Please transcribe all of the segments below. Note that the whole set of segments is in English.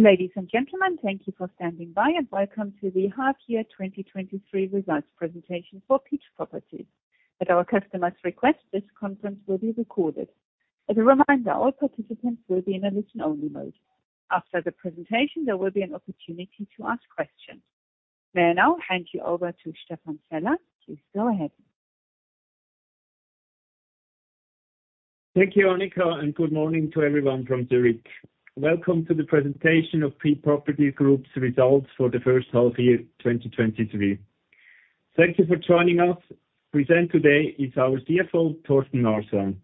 Ladies and gentlemen, thank you for standing by. Welcome to the half year 2023 results presentation for Peach Property. At our customer's request, this conference will be recorded. As a reminder, all participants will be in a listen-only mode. After the presentation, there will be an opportunity to ask questions. May I now hand you over to Stefan Feller? Please go ahead. Thank you, Annika, and good morning to everyone from Zurich. Welcome to the presentation of Peach Property Group's results for the first half year, 2023. Thank you for joining us. Present today is our CFO, Thorsten Arsan.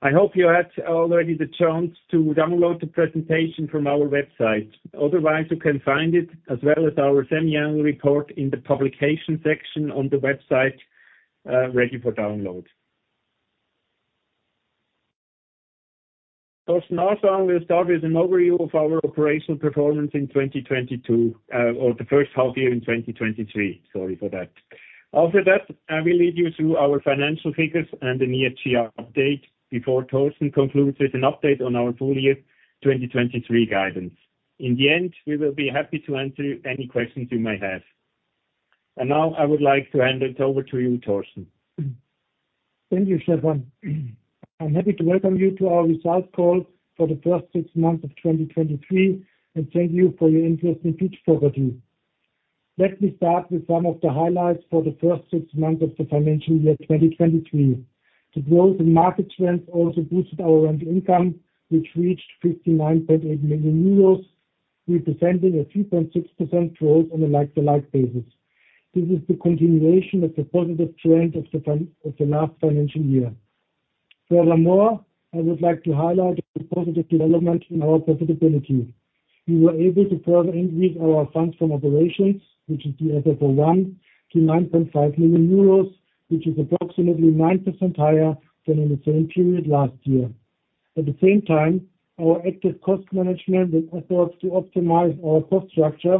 I hope you had already the chance to download the presentation from our website. Otherwise, you can find it, as well as our semi-annual report, in the publication section on the website, ready for download. Thorsten Arsan will start with an overview of our operational performance in 2022, or the first half year in 2023. Sorry for that. After that, I will lead you through our financial figures and the year-to-year update before Thorsten concludes with an update on our full year 2023 guidance. In the end, we will be happy to answer any questions you may have. Now, I would like to hand it over to you, Thorsten. Thank you, Stefan. I'm happy to welcome you to our results call for the first six months of 2023, and thank you for your interest in Peach Property. Let me start with some of the highlights for the first six months of the financial year, 2023. The growth in market trends also boosted our rent income, which reached 59.8 million euros, representing a 3.6% growth on a like-for-like basis. This is the continuation of the positive trend of the last financial year. Furthermore, I would like to highlight the positive development in our profitability. We were able to further increase our funds from operations, which is the FFO I, to 9.5 million euros, which is approximately 9% higher than in the same period last year. At the same time, our active cost management and efforts to optimize our cost structure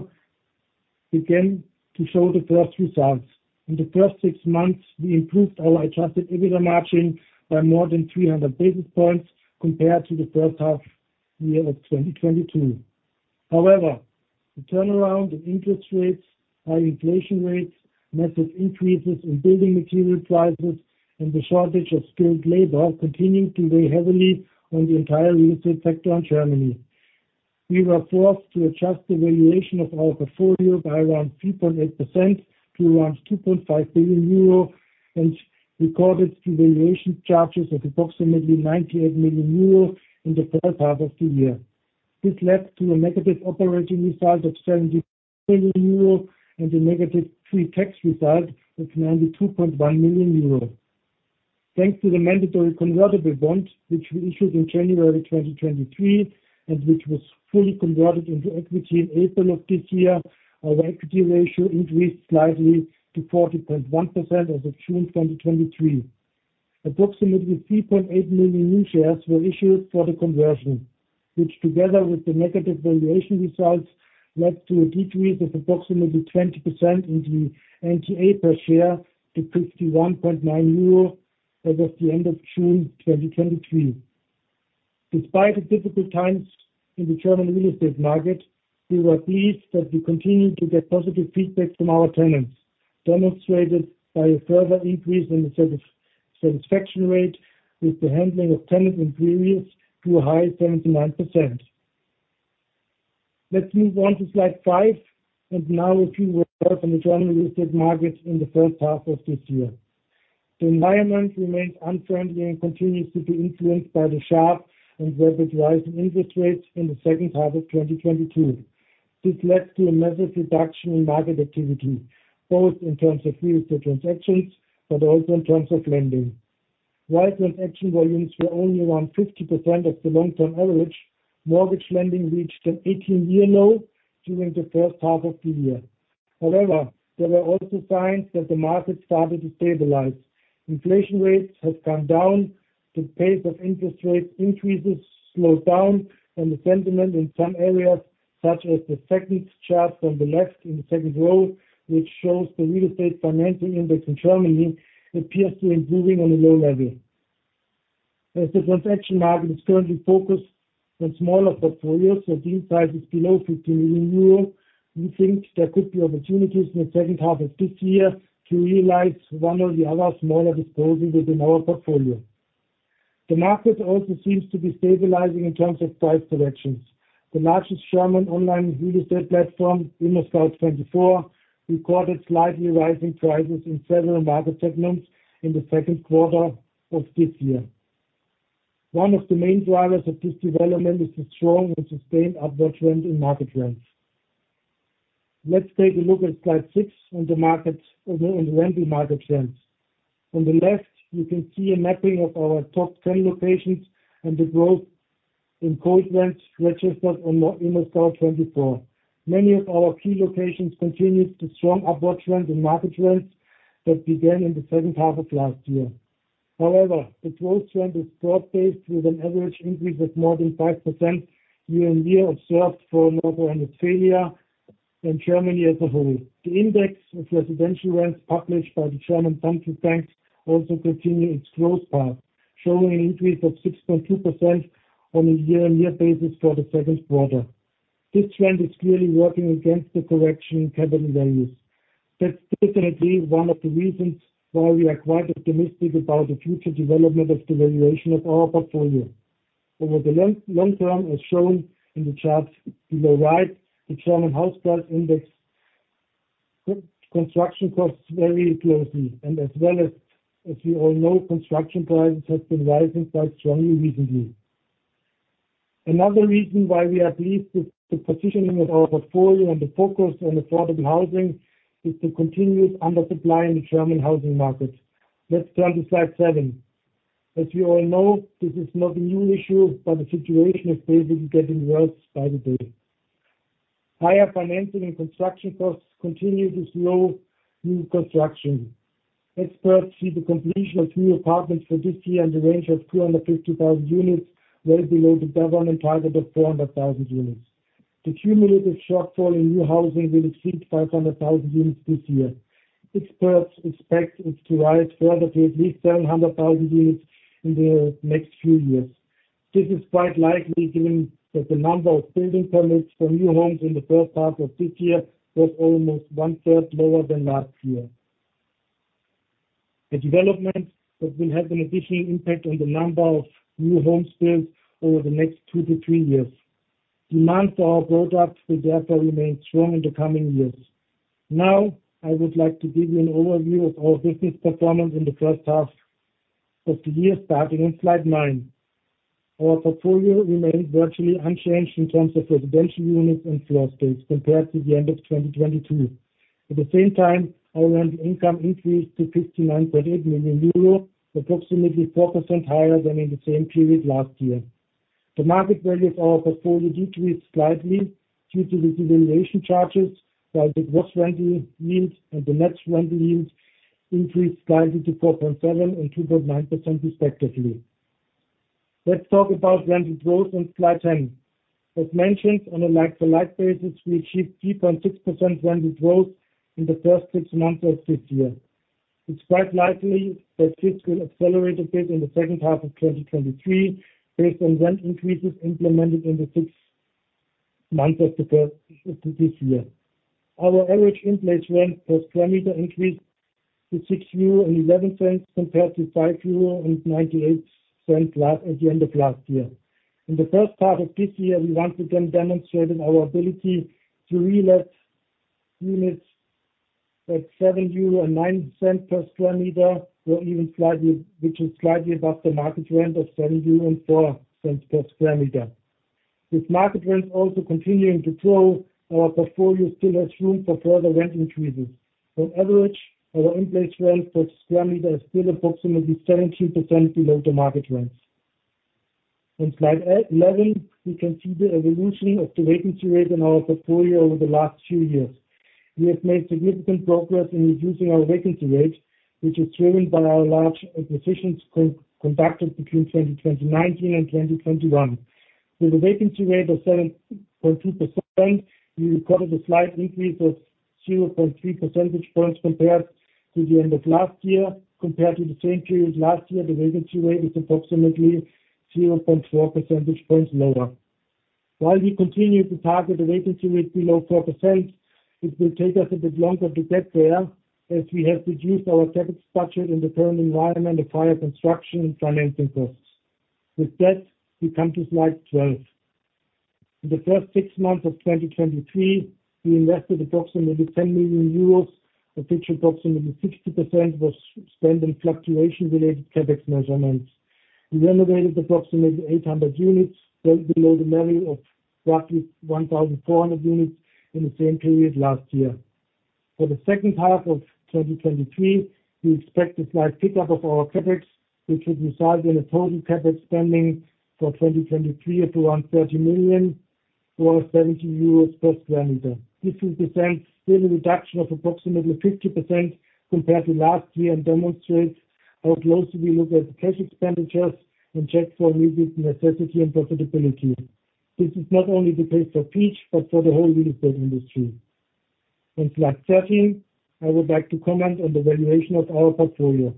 began to show the first results. In the first six months, we improved our adjusted EBITDA margin by more than 300 basis points compared to the first half year of 2022. The turnaround in interest rates, high inflation rates, massive increases in building material prices, and the shortage of skilled labor continued to weigh heavily on the entire real estate sector in Germany. We were forced to adjust the valuation of our portfolio by around 3.8% to around 2.5 billion euro, and recorded two valuation charges of approximately 98 million euro in the first half of the year. This led to a negative operating result of 70 million euro and a negative pre-tax result of 92.1 million euro. Thanks to the mandatory convertible bond, which we issued in January 2023, and which was fully converted into equity in April of this year, our equity ratio increased slightly to 40.1% as of June 2023. Approximately 3.8 million new shares were issued for the conversion, which, together with the negative valuation results, led to a decrease of approximately 20% in the NTA per share to 51.9 euro as of the end of June 2023. Despite the difficult times in the German real estate market, we were pleased that we continued to get positive feedback from our tenants, demonstrated by a further increase in the satisfaction rate with the handling of tenants inquiries to a high 79%. Let's move on to slide five. Now a few words on the German real estate market in the first half of this year. The environment remains unfriendly and continues to be influenced by the sharp and rapid rise in interest rates in the second half of 2022. This led to a massive reduction in market activity, both in terms of real estate transactions, but also in terms of lending. While transaction volumes were only around 50% of the long-term average, mortgage lending reached an 18-year low during the first half of the year. However, there were also signs that the market started to stabilize. Inflation rates have come down, the pace of interest rate increases slowed down, and the sentiment in some areas, such as the second chart from the left in the second row, which shows the German Real Estate Finance Index, appears to be improving on a low level. As the transaction market is currently focused on smaller portfolios, with deal sizes below 50 million euros, we think there could be opportunities in the second half of this year to realize one or the other smaller disposals within our portfolio. The market also seems to be stabilizing in terms of price corrections. The largest German online real estate platform, ImmoScout24, recorded slightly rising prices in several market segments in the second quarter of this year. One of the main drivers of this development is the strong and sustained upward trend in market rents. Let's take a look at slide six on the markets, on the rental market trends. On the left, you can see a mapping of our top 10 locations and the growth in quoted rents registered on ImmoScout24. Many of our key locations continued the strong upward trend in market rents that began in the second half of last year. The growth trend is broad-based, with an average increase of more than 5% year-on-year observed for North Rhine-Westphalia and Germany as a whole. The index of residential rents published by the Deutsche Bundesbank also continue its growth path, showing an increase of 6.2% on a year-on-year basis for the second quarter. This trend is clearly working against the correction in capital values. That's definitely one of the reasons why we are quite optimistic about the future development of the valuation of our portfolio. Over the long term, as shown in the charts to the right, the German House Price Index construction costs very closely, and as well as we all know, construction prices have been rising quite strongly recently. Another reason why we are pleased with the positioning of our portfolio and the focus on affordable housing, is the continuous under supply in the German housing market. Let's turn to slide seven. As you all know, this is not a new issue, but the situation is basically getting worse by the day. Higher financing and construction costs continue to slow new construction. Experts see the completion of new apartments for this year in the range of 250,000 units, well below the government target of 400,000 units. The cumulative shortfall in new housing will exceed 500,000 units this year. Experts expect it to rise further to at least 700,000 units in the next few years. This is quite likely, given that the number of building permits for new homes in the first half of this year was almost 1/3 lower than last year. A development that will have an additional impact on the number of new home builds over the next two to three years. Demand for our products will therefore remain strong in the coming years. Now, I would like to give you an overview of our business performance in the first half of the year, starting on slide nine. Our portfolio remained virtually unchanged in terms of residential units and floor space compared to the end of 2022. At the same time, our rent income increased to 59.8 million euro, approximately 4% higher than in the same period last year. The market value of our portfolio decreased slightly due to the revaluation charges, while the gross rental yield and the net rental yield increased slightly to 4.7% and 2.9% respectively. Let's talk about rental growth on slide 10. As mentioned, on a like-for-like basis, we achieved 3.6% rented growth in the first six months of this year. It's quite likely that this will accelerate a bit in the second half of 2023, based on rent increases implemented in the sixth month of this year. Our average in-place rent per square meter increased to 6.11 euro, compared to 5.98 euro at the end of last year. In the first half of this year, we once again demonstrated our ability to relet units at 7.09 euro per square meter, or even slightly, which is slightly above the market rent of 7.04 euro per square meter. Market rents also continuing to grow, our portfolio still has room for further rent increases. On average, our in-place rent per square meter is still approximately 17% below the market rents. On slide 11, we can see the evolution of the vacancy rate in our portfolio over the last few years. We have made significant progress in reducing our vacancy rate, which is driven by our large acquisitions conducted between 2019 and 2021. A vacancy rate of 7.2%, we recorded a slight increase of 0.3 percentage points compared to the end of last year. Compared to the same period last year, the vacancy rate is approximately 0.4 percentage points lower. While we continue to target a vacancy rate below 4%, it will take us a bit longer to get there, as we have reduced our CapEx budget in the current environment of higher construction and financing costs. With that, we come to slide 12. In the first six months of 2023, we invested approximately 10 million euros, of which approximately 60% was spent in fluctuation-related CapEx measures. We renovated approximately 800 units, well below the level of roughly 1,400 units in the same period last year. For the second half of 2023, we expect a slight pickup of our CapEx, which would result in a total CapEx spending for 2023 of around 30 million, or 70 euros per square meter. This is the same, still a reduction of approximately 50% compared to last year, and demonstrates how closely we look at the cash expenditures and check for really the necessity and profitability. This is not only the case for Peach, but for the whole real estate industry. On slide 13, I would like to comment on the valuation of our portfolio.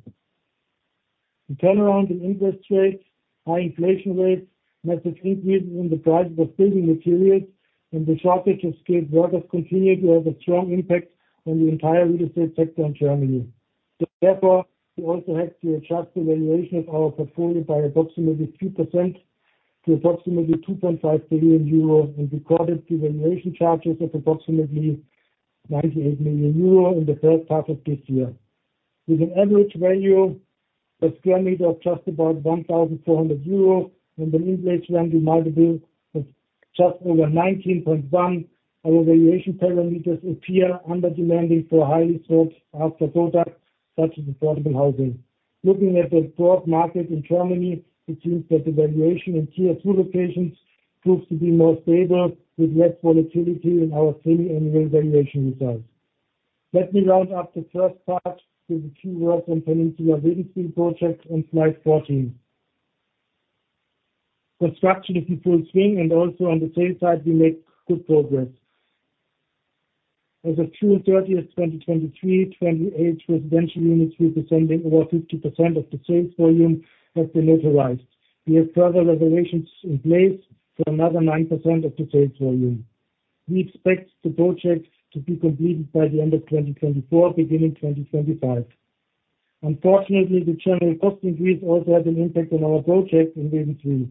The turnaround in interest rates, high inflation rates, massive increases in the price of building materials, and the shortage of skilled workers continue to have a strong impact on the entire real estate sector in Germany. We also had to adjust the valuation of our portfolio by approximately 2% to approximately 2.5 billion euro, and recorded the valuation charges of approximately 98 million euro in the first half of this year. With an average value per square meter of just about 1,400 euro and an in-place rental multiple of just over 19.1, our valuation parameters appear under demanding for highly sought after products, such as affordable housing. Looking at the broad market in Germany, it seems that the valuation in Tier 2 locations proves to be more stable, with less volatility in our semi-annual valuation results. Let me round up the first part with a few words on tenants in your living space project on slide 14. Construction is in full swing, and also on the sales side, we make good progress. As of 30 June 2023, 28 residential units representing over 50% of the sales volume have been authorized. We have further reservations in place for another 9% of the sales volume. We expect the project to be completed by the end of 2024, beginning 2025. Unfortunately, the general cost increase also had an impact on our project in Berlin III.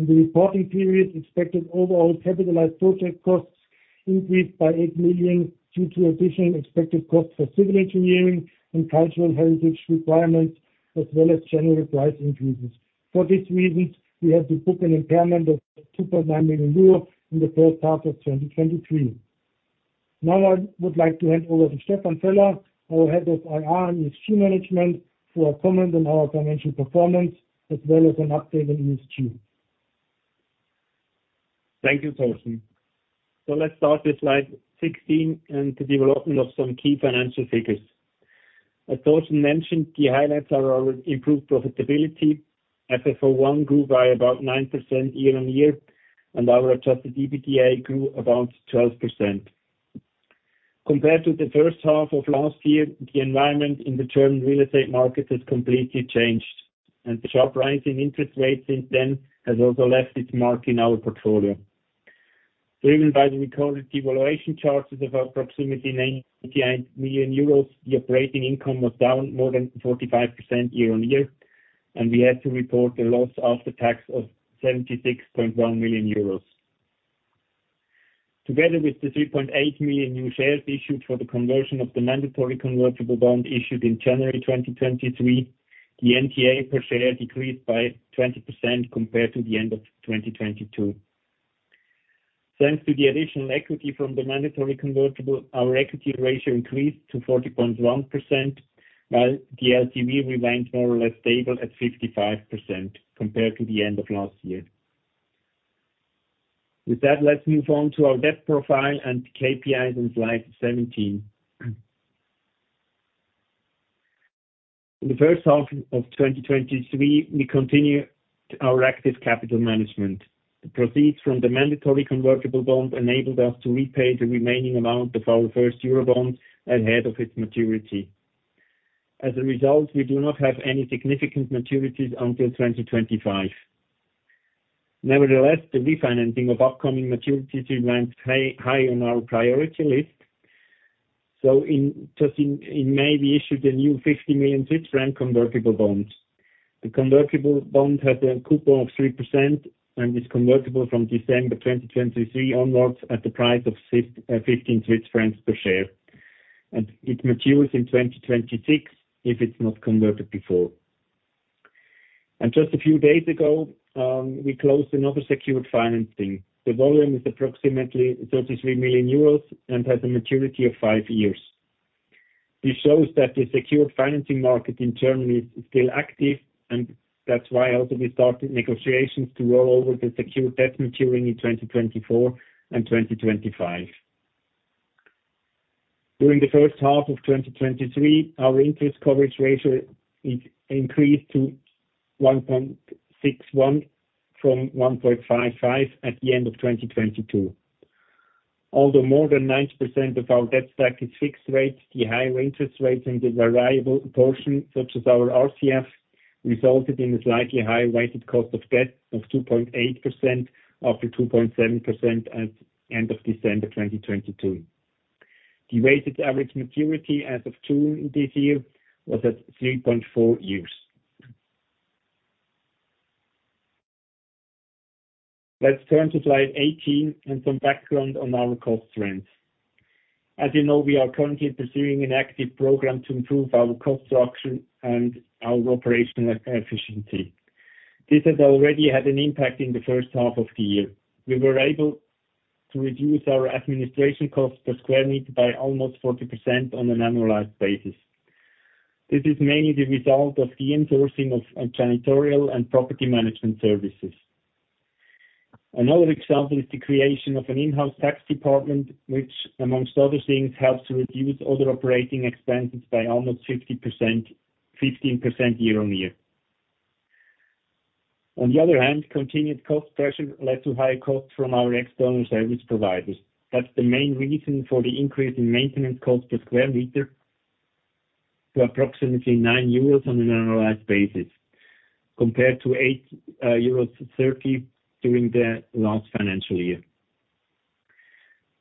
In the reporting period, expected overall capitalized project costs increased by 8 million, due to additional expected costs for civil engineering and cultural heritage requirements, as well as general price increases. For this reason, we have to book an impairment of 2.9 million euro in the first half of 2023. Now, I would like to hand over to Stefan Feller, our head of IR and ESG management, for a comment on our financial performance, as well as an update on ESG. Thank you, Thorsten. Let's start with slide 16, and the development of some key financial figures. As Thorsten mentioned, the highlights are our improved profitability. FFO I grew by about 9% year-on-year, and our adjusted EBITDA grew about 12%. Compared to the first half of last year, the environment in the German real estate market has completely changed, and the sharp rise in interest rates since then has also left its mark in our portfolio. Driven by the recorded devaluation charges of approximately 98 million euros, the operating income was down more than 45% year-on-year, and we had to report a loss after tax of 76.1 million euros. Together with the 3.8 million new shares issued for the conversion of the mandatory convertible bond issued in January 2023, the NTA per share decreased by 20% compared to the end of 2022. Thanks to the additional equity from the mandatory convertible, our equity ratio increased to 40.1%, while the LTV remained more or less stable at 55% compared to the end of last year. With that, let's move on to our debt profile and KPIs on slide 17. In the first half of 2023, we continued our active capital management. The proceeds from the mandatory convertible bond enabled us to repay the remaining amount of our first Eurobond ahead of its maturity. As a result, we do not have any significant maturities until 2025. Nevertheless, the refinancing of upcoming maturities remains high, high on our priority list. In May, we issued a new 50 million Swiss francs convertible bond. The convertible bond has a coupon of 3% and is convertible from December 2023 onwards at the price of 15 Swiss francs per share, and it matures in 2026, if it's not converted before. Just a few days ago, we closed another secured financing. The volume is approximately 33 million euros and has a maturity of five years. This shows that the secured financing market in Germany is still active, and that's why also we started negotiations to roll over the secured debt maturing in 2024 and 2025. During the first half of 2023, our interest coverage ratio increased to 1.61 from 1.55 at the end of 2022. Although more than 90% of our debt stack is fixed rate, the higher interest rates in the variable portion, such as our RCF, resulted in a slightly higher weighted cost of debt of 2.8%, up to 2.7% at end of December 2022. The weighted average maturity as of June this year was at 3.4 years. Let's turn to slide 18 and some background on our cost trends. As you know, we are currently pursuing an active program to improve our cost structure and our operational efficiency. This has already had an impact in the first half of the year. We were able to reduce our administration cost per square meter by almost 40% on an annualized basis. This is mainly the result of the in-sourcing of janitorial and property management services. Another example is the creation of an in-house tax department, which, among other things, helped to reduce other operating expenses by almost 50%, 15% year on year. On the other hand, continued cost pressure led to higher costs from our external service providers. That's the main reason for the increase in maintenance cost per square meter to approximately 9 euros on an annualized basis, compared to 8.30 euros during the last financial year.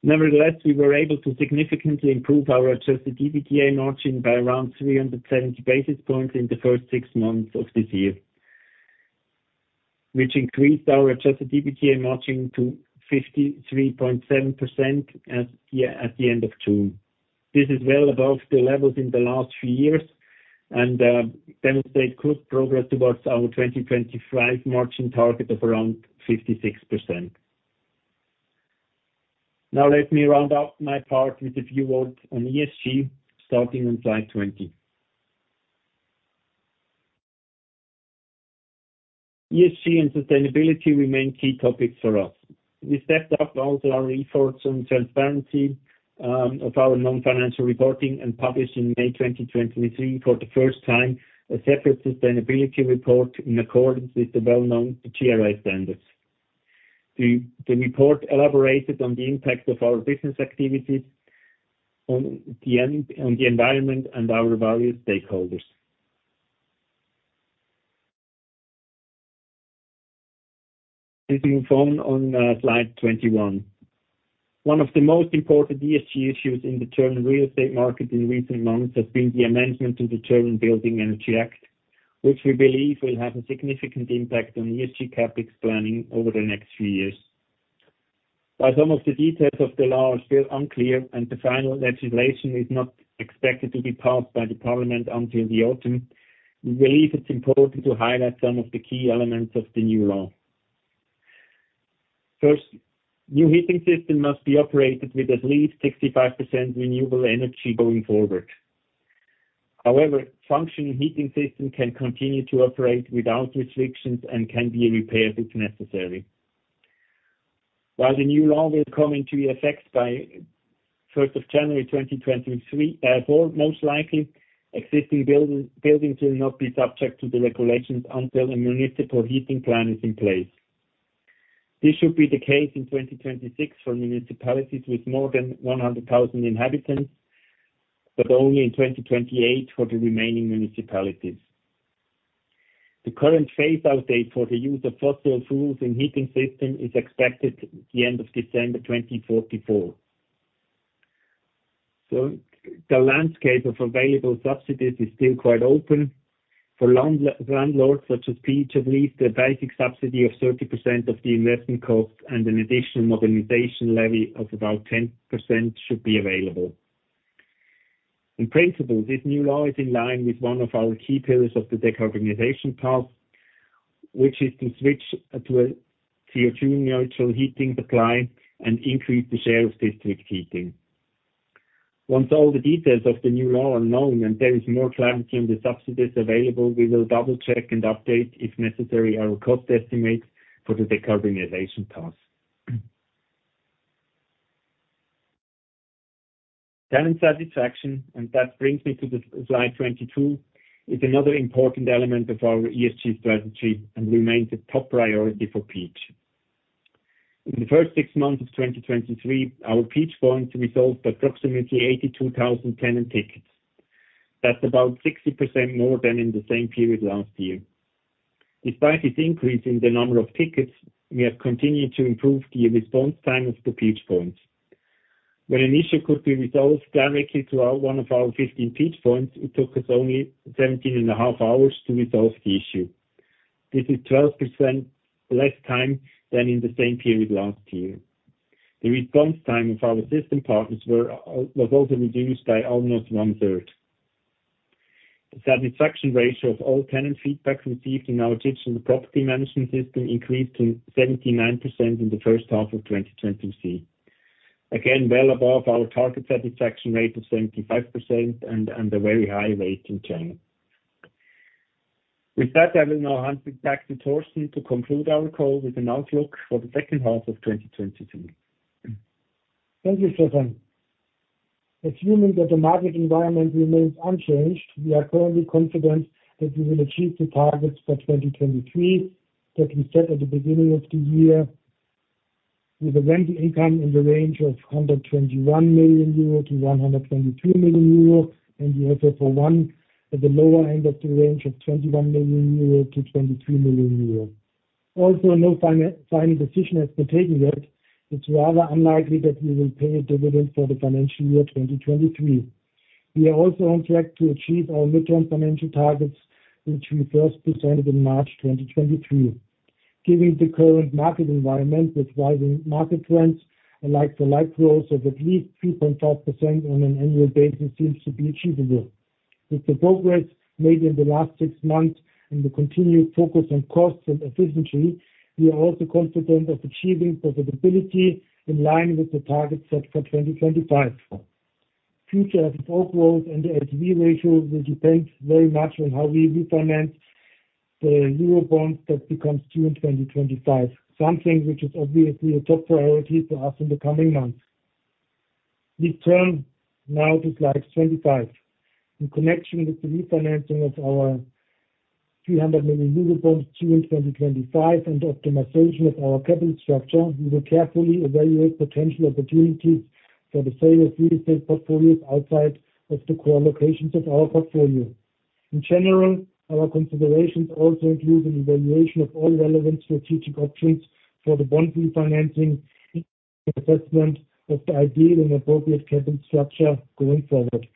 Nevertheless, we were able to significantly improve our adjusted EBITDA margin by around 370 basis points in the first six months of this year, which increased our adjusted EBITDA margin to 53.7% at the end of June. This is well above the levels in the last few years and demonstrate good progress towards our 2025 margin target of around 56%. Now, let me round out my part with a few words on ESG, starting on slide 20. ESG and sustainability remain key topics for us. We stepped up also our efforts on transparency of our non-financial reporting and published in May 2023 for the first time, a separate sustainability report in accordance with the well-known GRI standards. The report elaborated on the impact of our business activities on the environment and our various stakeholders. Let's move on slide 21. One of the most important ESG issues in the German real estate market in recent months has been the amendment to the German Building Energy Act, which we believe will have a significant impact on ESG CapEx planning over the next few years. While some of the details of the law are still unclear, and the final legislation is not expected to be passed by the Bundestag until the autumn, we believe it's important to highlight some of the key elements of the new law. First, new heating system must be operated with at least 65% renewable energy going forward. Functioning heating system can continue to operate without restrictions and can be repaired if necessary. While the new law will come into effect by 1st of January 2023, therefore, most likely existing buildings will not be subject to the regulations until a municipal heating plan is in place. This should be the case in 2026 for municipalities with more than 100,000 inhabitants, but only in 2028 for the remaining municipalities. The current phase-out date for the use of fossil fuels in heating system is expected at the end of December 2044. The landscape of available subsidies is still quite open. For landlords such as Peach, at least a basic subsidy of 30% of the investment cost and an additional modernization levy of about 10% should be available. In principle, this new law is in line with one of our key pillars of the decarbonization path, which is to switch to a CO2 neutral heating supply and increase the share of district heating. Once all the details of the new law are known, and there is more clarity in the subsidies available, we will double-check and update, if necessary, our cost estimates for the decarbonization task. Tenant satisfaction, that brings me to slide 22, is another important element of our ESG strategy and remains a top priority for Peach. In the first six months of 2023, our Peach Point was resolved by approximately 82,000 tenant tickets. That's about 60% more than in the same period last year. Despite this increase in the number of tickets, we have continued to improve the response time of the Peach Points. When an issue could be resolved directly through one of our 15 Peach Points, it took us only seventeen and a half hours to resolve the issue. This is 12% less time than in the same period last year. The response time of our system partners was also reduced by almost 1/3. The satisfaction ratio of all tenant feedback received in our digital property management system increased to 79% in the first half of 2023. Again, well above our target satisfaction rate of 75% and a very high rate in Germany. With that, I will now hand it back to Thorsten to conclude our call with an outlook for the second half of 2022. Thank you, Stefan. Assuming that the market environment remains unchanged, we are currently confident that we will achieve the targets for 2023, that we set at the beginning of the year, with a rental income in the range of 121 million-122 million euro, and the FFO I at the lower end of the range of 21 million-22 million euro. No final decision has been taken yet. It's rather unlikely that we will pay a dividend for the financial year 2023. We are on track to achieve our midterm financial targets, which we first presented in March 2023. Given the current market environment with rising market rents, a like-for-like growth of at least 3.5% on an annual basis seems to be achievable. With the progress made in the last six months and the continued focus on costs and efficiency, we are also confident of achieving profitability in line with the target set for 2025. Future asset outgrowth and the LTV ratio will depend very much on how we refinance the Eurobonds that becomes due in 2025, something which is obviously a top priority for us in the coming months. We turn now to slide 25. In connection with the refinancing of our 300 million Eurobonds due in 2025 and optimization of our capital structure, we will carefully evaluate potential opportunities for the sale of real estate portfolios outside of the core locations of our portfolio. In general, our considerations also include an evaluation of all relevant strategic options for the bond refinancing assessment of the ideal and appropriate capital structure going forward.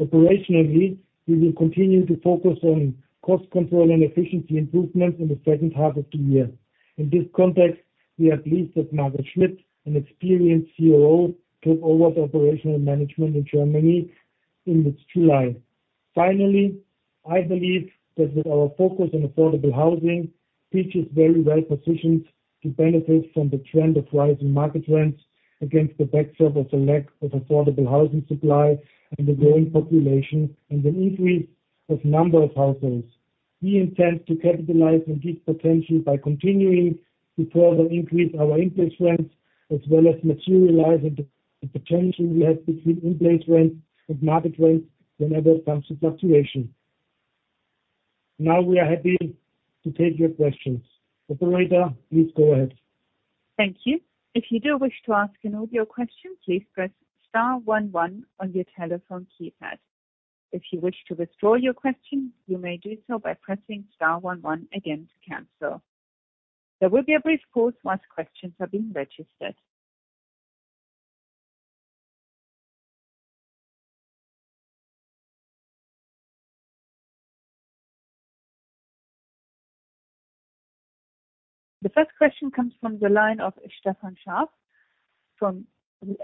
Operationally, we will continue to focus on cost control and efficiency improvements in the second half of the year. In this context, we are pleased that Marcus Schmitt, an experienced COO, took over the operational management in Germany in this July. Finally, I believe that with our focus on affordable housing, Peach is very well positioned to benefit from the trend of rising market rents against the backdrop of the lack of affordable housing supply and the growing population, and an increase of number of households. We intend to capitalize on this potential by continuing to further increase our interest rates, as well as materializing the potential we have between in-place rent and market rent whenever it comes to fluctuation. Now we are happy to take your questions. Operator, please go ahead. Thank you. If you do wish to ask an audio question, please press star one one on your telephone keypad. If you wish to withdraw your question, you may do so by pressing star one one again to cancel. There will be a brief pause once questions are being registered. The first question comes from the line of Stefan Scharff, from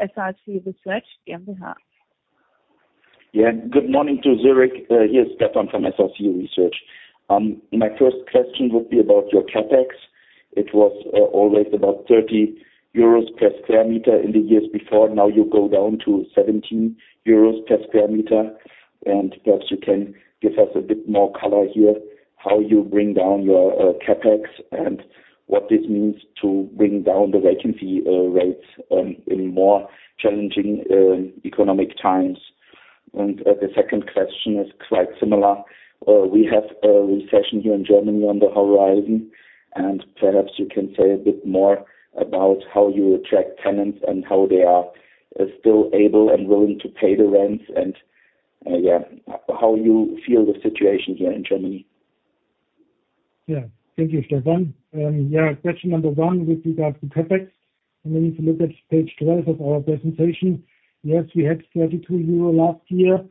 SRC Research GmbH. Yeah, good morning to Zurich. Here's Stefan from SRC Research. My first question would be about your CapEx. It was always about 30 euros per square meter in the years before. Now you go down to 17 euros per square meter, and perhaps you can give us a bit more color here, how you bring down your CapEx, and what this means to bring down the vacancy rates in more challenging economic times. The second question is quite similar. We have a recession here in Germany on the horizon, and perhaps you can say a bit more about how you attract tenants and how they are still able and willing to pay the rents. Yeah, how you feel the situation here in Germany? Yeah. Thank you, Stefan. Yeah, question number one with regards to CapEx. We need to look at page 12 of our presentation. Yes, we had 32 euro last year.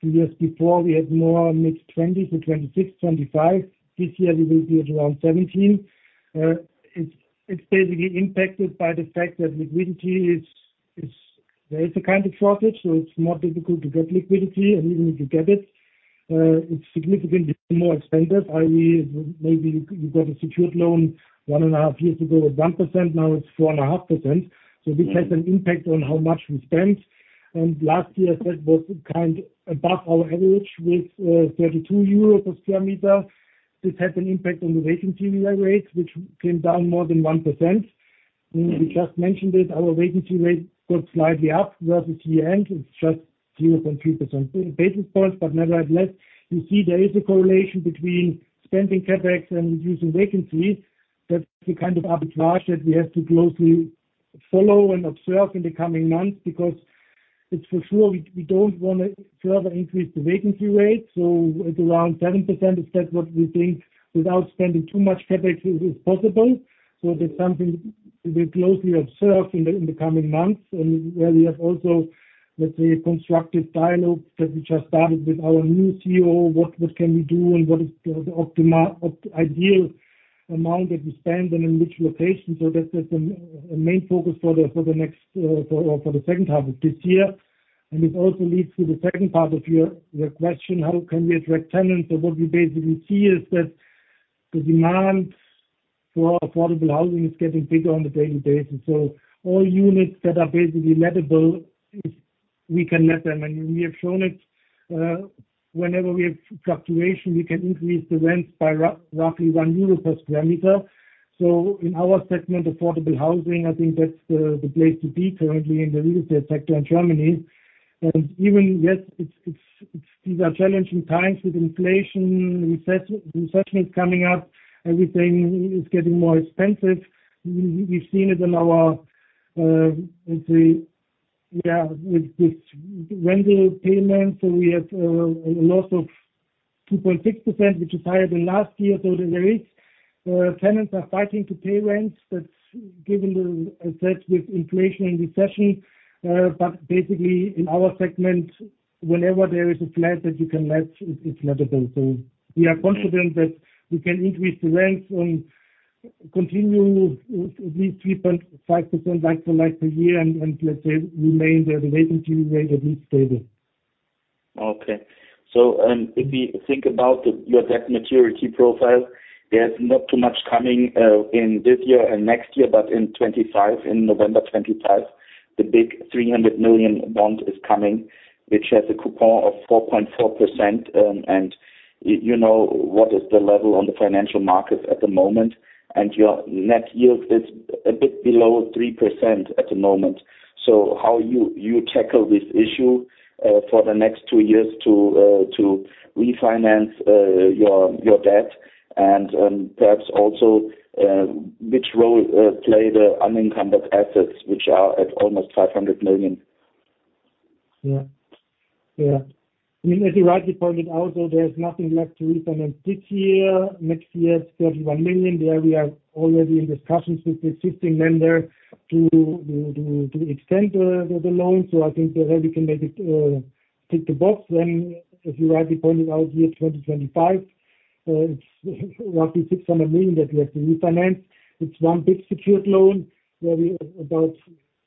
Two years before, we had more mid-20s to 26, 25. This year we will be at around 17. It's basically impacted by the fact that liquidity is there is a kind of shortage, so it's more difficult to get liquidity. Even if you get it, it's significantly more expensive, i.e., maybe you got a secured loan one and a half years ago at 1%, now it's 4.5%. This has an impact on how much we spend. Last year that was kind above our average with 32 euros per square meter. This had an impact on the vacancy rates, which came down more than 1%. We just mentioned it, our vacancy rate got slightly up towards the year-end. It's just 0.3% basis points, but nevertheless, you see there is a correlation between spending CapEx and reducing vacancy. That's the kind of arbitrage that we have to closely follow and observe in the coming months, because it's for sure, we, we don't want to further increase the vacancy rate. At around 7%, is that what we think, without spending too much CapEx is possible. That's something we closely observe in the coming months. Where we have also, let's say, constructive dialogue that we just started with our new CEO, what, what can we do and what is the ideal amount that we spend and in which location? That is the main focus for the, for the next, for, for the second half of this year. It also leads to the second part of your question: How can we attract tenants? What we basically see is that the demand for affordable housing is getting bigger on a daily basis. All units that are basically lettable, if we can let them, and we have shown it, whenever we have fluctuation, we can increase the rents by roughly 1 euro per square meter. In our segment, affordable housing, I think that's the, the place to be currently in the real estate sector in Germany. Even, yes, it's, it's, these are challenging times with inflation, recession is coming up, everything is getting more expensive. We've seen it in our, let's say, yeah, with this rental payments. We have a loss of 2.6%, which is higher than last year. There is, tenants are fighting to pay rents, but given the effect with inflation and recession, but basically in our segment, whenever there is a flat that you can let, it's lettable. We are confident that we can increase the rents and continue at least 3.5% like-for-like per year, and let's say remain the vacancy rate at least stable. Okay. If we think about your debt maturity profile, there's not too much coming in this year and next year, but in 2025, in November 2025, the big 300 million bond is coming, which has a coupon of 4.4%. You know, what is the level on the financial markets at the moment? Your net yield is a bit below 3% at the moment. How you tackle this issue for the next two years to refinance your debt? Perhaps also, which role play the unencumbered assets, which are at almost 500 million? Yeah. Yeah. I mean, as you rightly pointed out, there's nothing left to refinance this year. Next year, it's 31 million. There we are already in discussions with the existing lender to extend the loan. I think there we can make it tick the box. Then, as you rightly pointed out, year 2025, it's roughly 600 million that we have to refinance. It's one big secured loan, where we about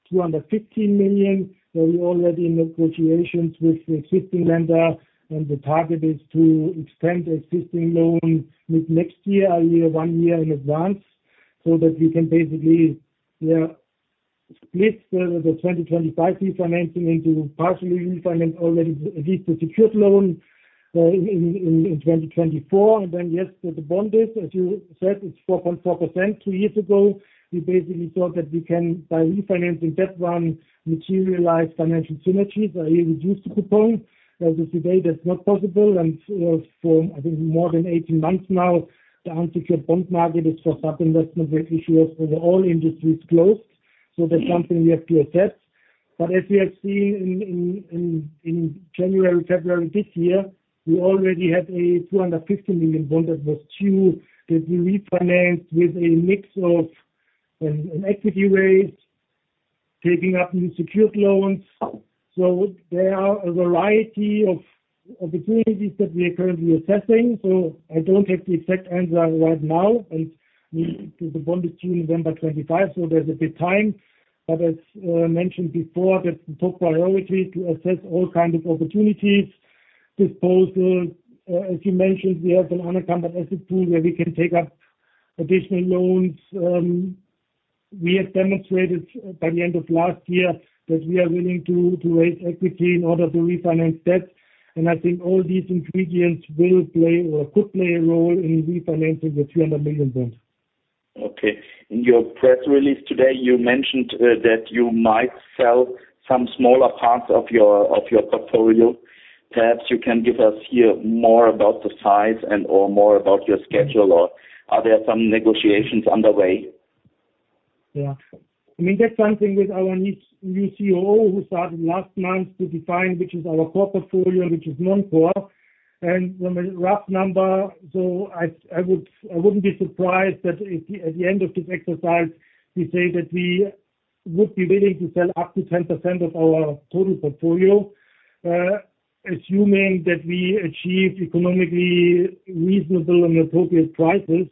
215 million, where we already in negotiations with the existing lender, and the target is to extend the existing loan mid next year, one year in advance, so that we can basically, yeah, split the 2025 refinancing into partially refinance already, at least the secured loan, in 2024. Yes, the bond is, as you said, it's 4.4%. Two years ago, we basically thought that we can, by refinancing that one, materialize financial synergies by reduce the coupon. As of today, that's not possible, for, I think, more than 18 months now, the unsecured bond market is for sub-investment grade issuers for the all industries closed. That's something we have to assess. As we have seen in January, February this year, we already had a 250 million bond that was due, that we refinanced with a mix of an equity raise, taking up new secured loans. There are a variety of opportunities that we are currently assessing. I don't have the exact answer right now, and the bond is due November 2025, there's a bit time. As mentioned before, that took priority to assess all kinds of opportunities, disposal. As you mentioned, we have an unencumbered asset pool where we can take up additional loans. We have demonstrated by the end of last year that we are willing to raise equity in order to refinance debt. I think all these ingredients will play or could play a role in refinancing the 300 million bond. Okay. In your press release today, you mentioned that you might sell some smaller parts of your portfolio. Perhaps you can give us here more about the size and/or more about your schedule, or are there some negotiations underway? Yeah. I mean, that's something with our new COO, who started last month to define which is our core portfolio, which is non-core. From a rough number, so I wouldn't be surprised that at the end of this exercise, we say that we would be willing to sell up to 10% of our total portfolio, assuming that we achieve economically reasonable and appropriate prices.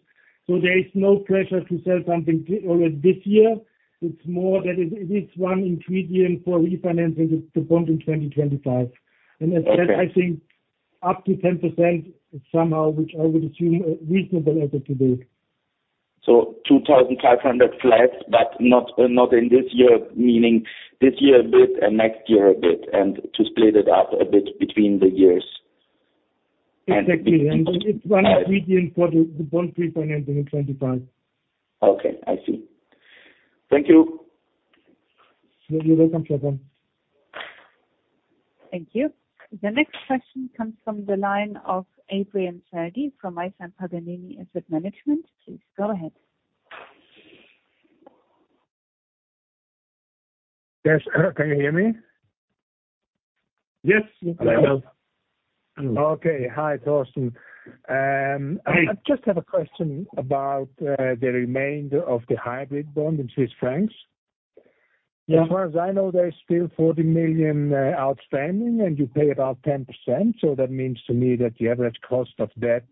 There is no pressure to sell something already this year. It's more that it is one ingredient for refinancing the bond in 2025. Okay. As I said, I think up to 10% somehow, which I would assume a reasonable effort to do. 2,500 flat, but not in this year, meaning this year a bit and next year a bit, and to split it up a bit between the years. Exactly. It's one ingredient for the bond refinancing in 2025. Okay, I see. Thank you. You're welcome, Stefan. Thank you. The next question comes from the line of Adrian Saidi from Hauck Aufhäuser Lampe. Please, go ahead. Yes. Can you hear me? Yes, I can. Okay. Hi, Thorsten. I just have a question about, the remainder of the hybrid bond in Swiss francs. As far as I know, there is still 40 million outstanding, and you pay about 10%. That means to me that the average cost of debt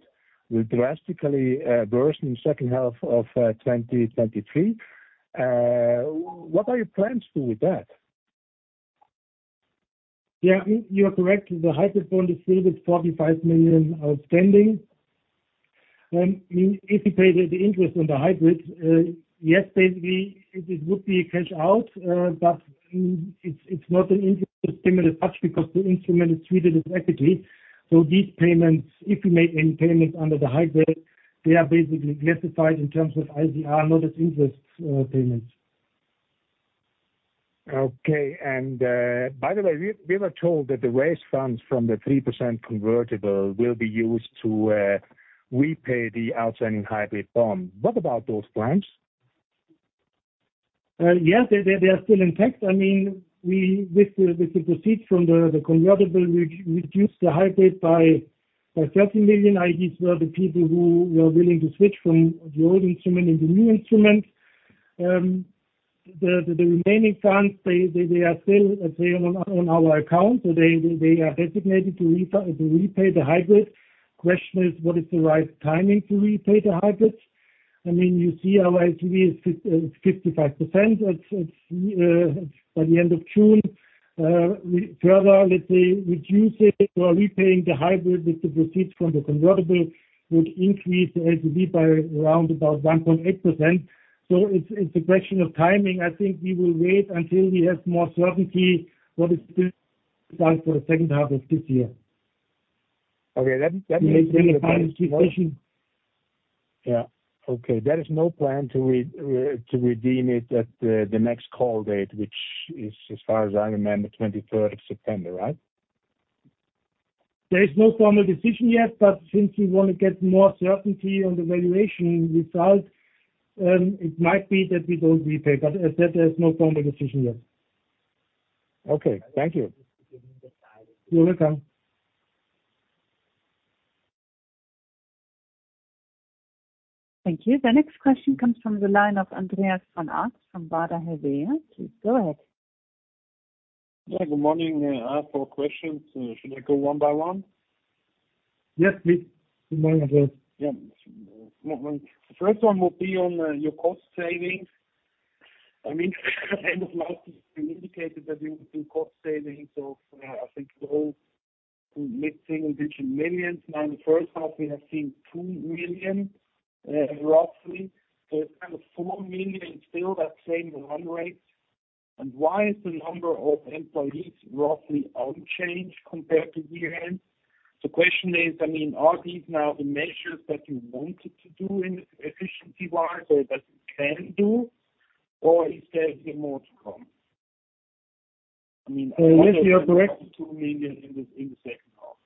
will drastically burst in the second half of 2023. What are your plans to do with that? Yeah, you, you are correct. The hybrid bond is still with 45 million outstanding. If you pay the interest on the hybrid, yes, basically, it, it would be a cash out, but it's not an interest payment as such because the instrument is treated as equity. These payments, if we make any payments under the hybrid, they are basically classified in terms of IFRS, not as interest payments. Okay. By the way, we were told that the raised funds from the 3% convertible will be used to repay the outstanding hybrid bond. What about those plans? Yes, they, they are still in place. I mean, with the proceeds from the convertible, we reduced the hybrid by 13 million. These were the people who were willing to switch from the old instrument into new instrument. The remaining funds, they are still on our account, so they are designated to repay the hybrid. Question is, what is the right timing to repay the hybrid? I mean, you see our LTV is 55%. It's by the end of June, we further, let's say, reduce it or repaying the hybrid with the proceeds from the convertible would increase the LTV by around about 1.8%. It's, it's a question of timing. I think we will wait until we have more certainty what is still done for the second half of this year. Okay, let me. Yeah.Okay. There is no plan to redeem it at the, the next call date, which is, as far as I remember, the 23rd of September, right? There is no formal decision yet, but since we want to get more certainty on the valuation result, it might be that we don't repay, but as said, there is no formal decision yet. Okay, thank you. You're welcome. Thank you. The next question comes from the line of Andreas von Arx from Baader-Helvea. Please, go ahead. Yeah, good morning. I have 4 questions. Should I go one by one? Yes, please. Good morning as well. Yeah. Good morning. The first one will be on your cost savings. I mean, end of last year, you indicated that you would do cost savings of mid-single-digit millions. Now, in the first half, we have seen 2 million roughly. So it's kind of 4 million still that same run rate. Why is the number of employees roughly unchanged compared to year-end? The question is, I mean, are these now the measures that you wanted to do in efficiency-wise, or that you can do, or is there even more to come? Yes, you are correct. 2 million in the, in the second half.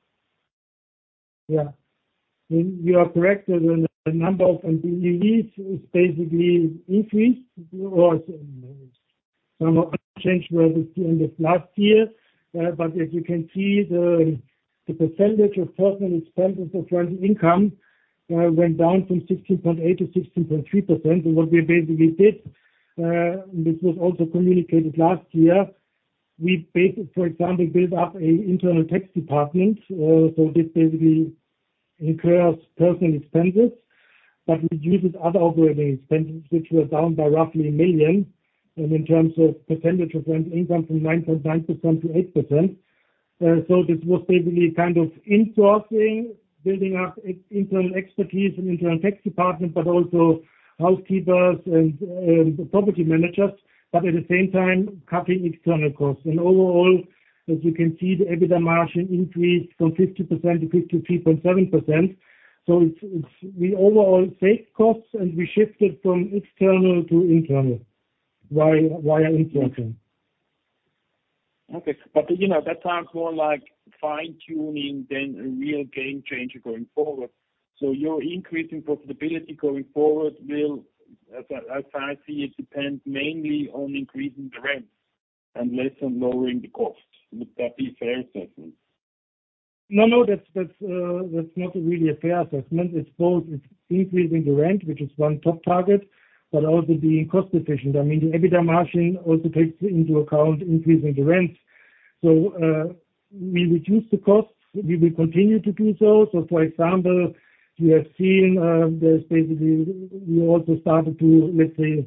Yeah. You are correct. The number of employees is basically increased or some unchanged where it is the end of last year. As you can see, the percentage of personal expenses of rent income went down from 16.8% to 16.3%. What we basically did, this was also communicated last year. We, for example, build up an internal tax department. This basically incurs personal expenses, but reduces other operating expenses, which were down by roughly 1 million, in terms of percentage of rent income from 9.9% to 8%. This was basically kind of insourcing, building up internal expertise and internal tax department, also housekeepers and the property managers, at the same time, cutting external costs. Overall, as you can see, the EBITDA margin increased from 50% to 53.7%. It's we overall save costs, and we shifted from external to internal, while insourcing. Okay. You know, that sounds more like fine-tuning than a real game changer going forward. Your increase in profitability going forward will, as I, as I see, it depends mainly on increasing the rent and less on lowering the cost. Would that be fair assessment? No, no, that's not really a fair assessment. It's both. It's increasing the rent, which is one top target, but also being cost efficient. I mean, the EBITDA margin also takes into account increasing the rents. We reduce the costs. We will continue to do so. For example, you have seen, there's basically, we also started to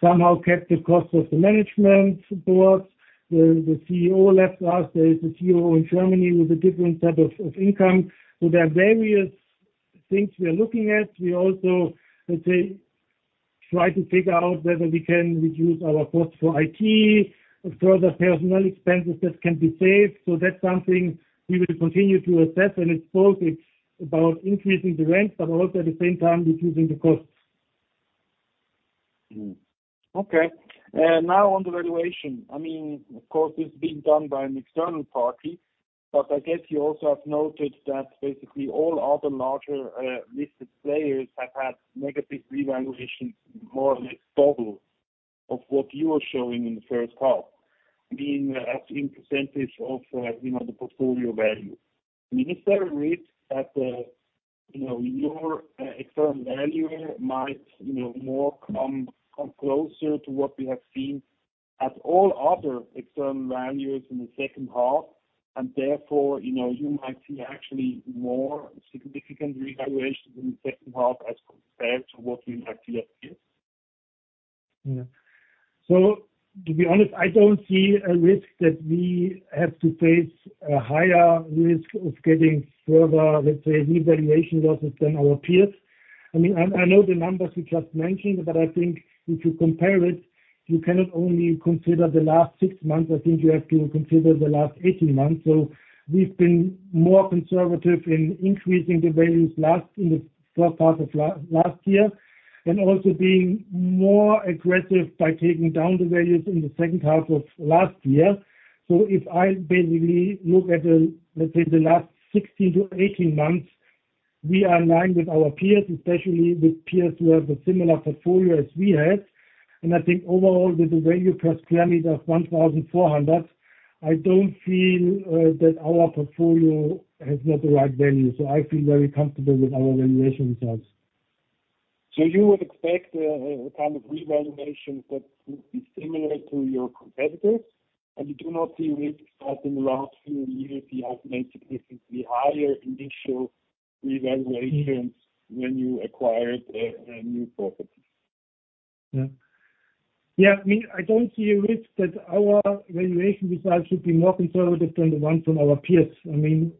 somehow kept the cost of the management board. The CEO left us. There is a CEO in Germany with a different type of, of income. There are various things we are looking at. We also try to figure out whether we can reduce our costs for IT. Of course, the personal expenses that can be saved. That's something we will continue to assess, and it's both about increasing the rents, but also at the same time, reducing the costs. Okay. Now on the valuation, I mean, of course, it's being done by an external party, but I guess you also have noted that basically all other larger listed players have had negative revaluations, more or less, double of what you are showing in the first half, I mean, as in percentage of, you know, the portfolio value. Is there a risk that, you know, your external value might, you know, more come closer to what we have seen at all other external values in the second half, and therefore, you know, you might see actually more significant revaluations in the second half as compared to what we might see up here? Yeah. To be honest, I don't see a risk that we have to face a higher risk of getting further, let's say, revaluation losses than our peers. I mean, I know the numbers you just mentioned, but I think if you compare it, you cannot only consider the last six months, I think you have to consider the last 18 months. We've been more conservative in increasing the values last, in the first half of last year, and also being more aggressive by taking down the values in the second half of last year. If I basically look at the, let's say, the last 16-18 months, we are in line with our peers, especially with peers who have a similar portfolio as we have. I think overall, with the value per square meter of 1,400, I don't feel that our portfolio has not the right value, so I feel very comfortable with our valuation results. You would expect, a kind of revaluation that would be similar to your competitors, and you do not see risks as in the last few years, you have made significantly higher initial revaluations when you acquired a new property? Yeah. Yeah, I mean, I don't see a risk that our valuation results should be more conservative than the ones from our peers. I mean,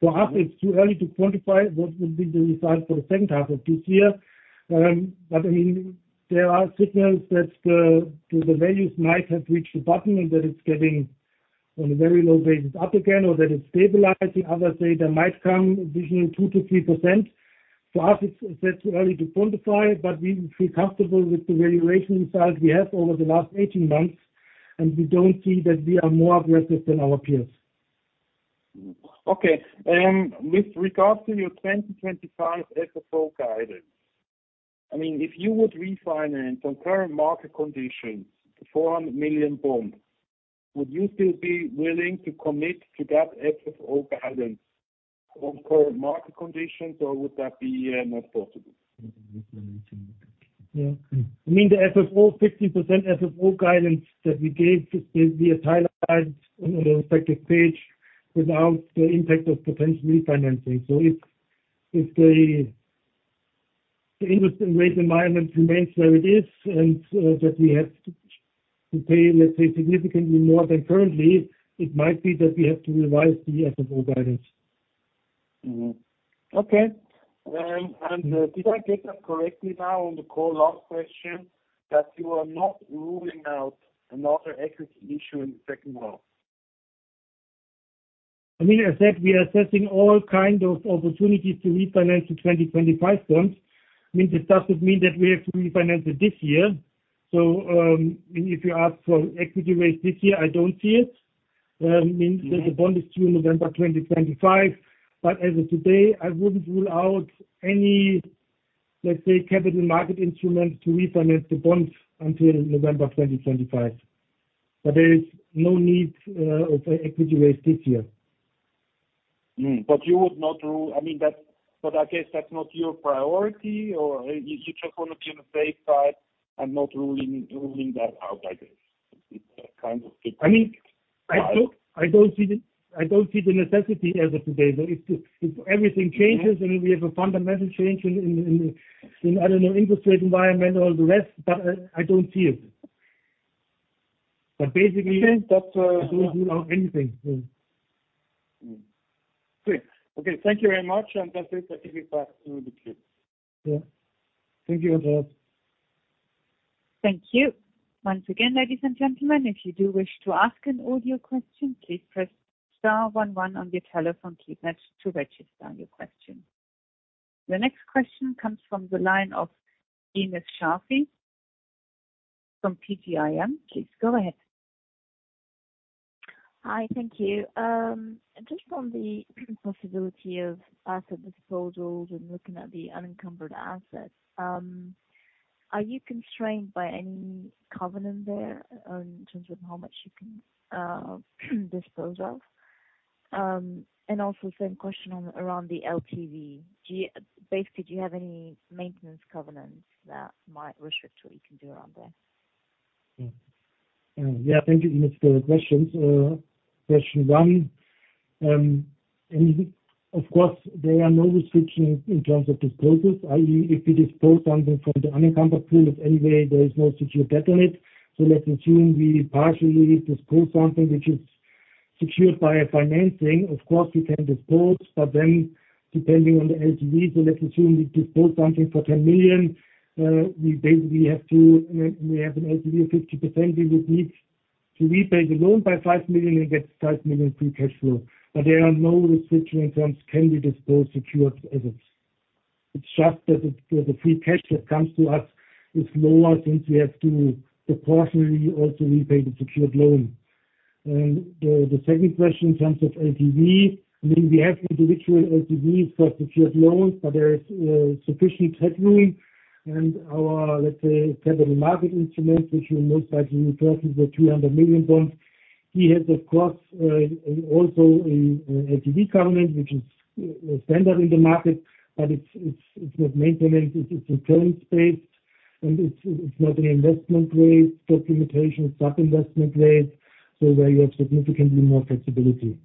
for us, it's too early to quantify what would be the result for the second half of this year. I mean, there are signals that the values might have reached the bottom and that it's getting on a very low basis up again, or that it's stabilizing. Others say there might come between 2%-3%. For us, it's too early to quantify, but we feel comfortable with the valuation results we have over the last 18 months, and we don't see that we are more aggressive than our peers. Okay. With regards to your 2025 FFO guidance, I mean, if you would refinance on current market conditions, 400 million bonds, would you still be willing to commit to that FFO guidance on current market conditions, or would that be not possible? Yeah. I mean, the FFO, 50% FFO guidance that we gave will be highlighted on the respective page without the impact of potential refinancing. If the interest rate environment remains where it is, and that we have to pay, let's say, significantly more than currently, it might be that we have to revise the FFO guidance. Okay. Did I get that correctly now on the call last question, that you are not ruling out another equity issue in the second half? I mean, I said we are assessing all kind of opportunities to refinance the 2025 bonds. I mean, this doesn't mean that we have to refinance it this year. If you ask for equity raise this year, I don't see it. Means that the bond is due November 2025, as of today, I wouldn't rule out any, let's say, capital market instrument to refinance the bonds until November 2025. There is no need of a equity raise this year. You would not rule, I mean, that's, but I guess that's not your priority, or you just wanna be on the safe side and not ruling that out, I guess. It's that kind of picture. I mean, I don't see the necessity as of today. If everything changes and we have a fundamental change in, I don't know, interest rate environment or the rest, I don't see it. Basically, I don't rule out anything. Great. Okay, thank you very much. That's it. I give it back to the queue. Yeah. Thank you, Albert. Thank you. Once again, ladies and gentlemen, if you do wish to ask an audio question, please press star one one on your telephone keypad to register your question. The next question comes from the line of Ines Charfi from PGIM. Please go ahead. Hi, thank you. Just on the possibility of asset disposals and looking at the unencumbered assets, are you constrained by any covenant there in terms of how much you can dispose of? And also same question on, around the LTV. Do you have any maintenance covenants that might restrict what you can do around there? Yeah, thank you, Ines, for the questions. Question one, of course, there are no restrictions in terms of disposals, i.e., if we dispose something from the unencumbered pool, anyway, there is no secured debt on it. Let's assume we partially dispose something which is secured by a financing. Of course, we can dispose, but then, depending on the LTV, let's assume we dispose something for 10 million, we basically have to, we have an LTV of 50%, we would need to repay the loan by 5 million and get 5 million free cash flow. There are no restrictions in terms can we dispose secured assets. It's just that the, the free cash that comes to us is lower, since we have to proportionally also repay the secured loan. The second question in terms of LTV, I mean, we have individual LTVs for secured loans, but there is sufficient headroom. Our, let's say, capital market instrument, which will most likely replace the 300 million bonds, he has, of course, also a LTV covenant, which is standard in the market, but it's not maintenance, it's incurrence-based, and it's not an investment grade limitation, sub-investment grade, so where you have significantly more flexibility.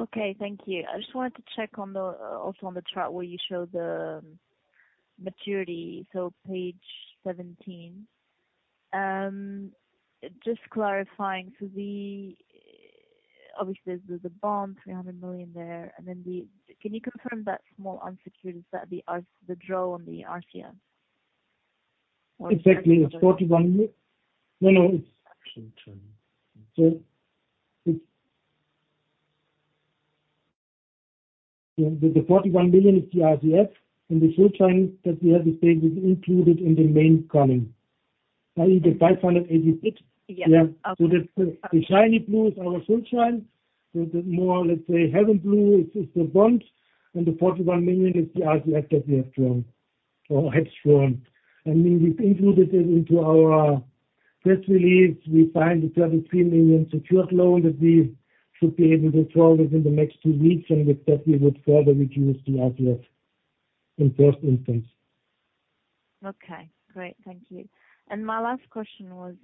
Okay, thank you. I just wanted to check on the also on the chart where you show the maturity, so page 17. Just clarifying, obviously, there's a bond, 300 million there, and then the, can you confirm that small unsecured, is that the draw on the RCF? Exactly. It's 41. No, no. It's actually 20. The 41 million is the RCF, and the Schuldschein that we have stated is included in the main covenant, i.e., the 586. Yes. Yeah. The, the shiny blue is our full time. The more, let's say, heaven blue is, is the bond, and the 41 million is the RCF that we have drawn or have drawn. I mean, we've included it into our press release. We find the 33 million secured loan that we should be able to draw within the next two weeks, and with that, we would further reduce the RCF in first instance. Okay, great. Thank you. My last question was,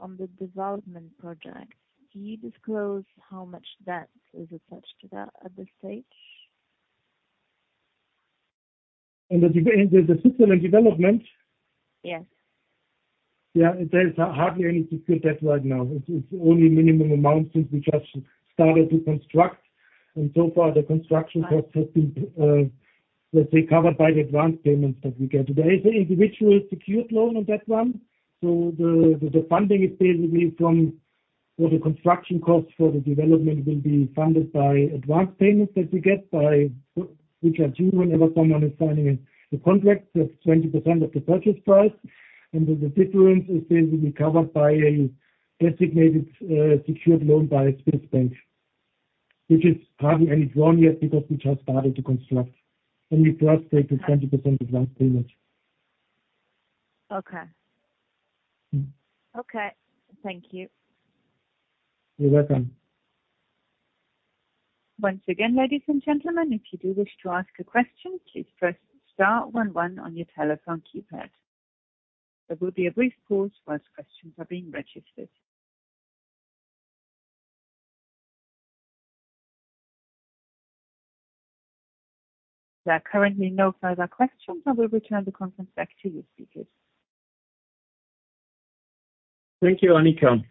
on the development projects. Do you disclose how much debt is attached to that at this stage? In the segment Development? Yes. Yeah, there's hardly any secured debt right now. It's only minimum amounts, since we just started to construct, and so far the construction costs have been, let's say, covered by the advance payments that we get. There is an individual secured loan on that one, so the funding is basically from or the construction costs for the development will be funded by advance payments that we get by, which are due whenever someone is signing a contract, that's 20% of the purchase price. The difference is then will be covered by a designated secured loan by Sparkasse, which is hardly any drawn yet because we just started to construct, and we first take the 20% advance payment. Okay. Okay. Thank you. You're welcome. Once again, ladies and gentlemen, if you do wish to ask a question, please press star one one on your telephone keypad. There will be a brief pause while questions are being registered. There are currently no further questions. I will return the conference back to you, speakers. Thank you, Annika,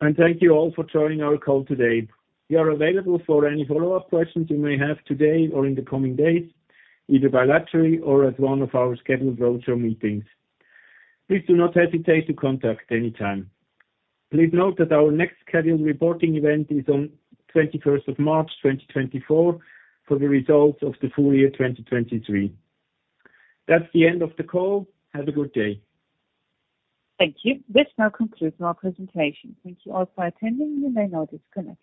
and thank you all for joining our call today. We are available for any follow-up questions you may have today or in the coming days, either bilaterally or at one of our scheduled roadshow meetings. Please do not hesitate to contact anytime. Please note that our next scheduled reporting event is on 21st of March, 2024, for the results of the full year, 2023. That's the end of the call. Have a good day. Thank you. This now concludes our presentation. Thank you all for attending. You may now disconnect.